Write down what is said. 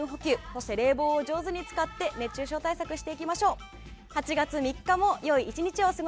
そして冷房を上手に使い熱中症対策をしていきましょう。